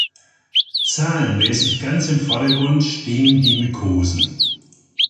Zahlenmäßig ganz im Vordergrund stehen die Mykosen.